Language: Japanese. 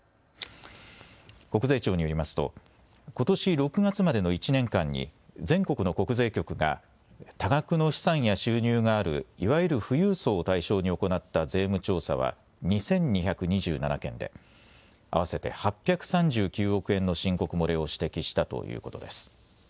国税庁によりますとことし６月までの１年間に全国の国税局が多額の資産や収入があるいわゆる富裕層を対象に行った税務調査は２２２７件で合わせて８３９億円の申告漏れを指摘したということです。